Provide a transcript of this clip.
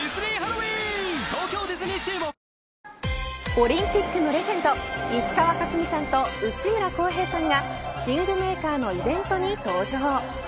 オリンピックのレジェンド石川佳純さんと内村航平さんが寝具メーカーのイベントに登場。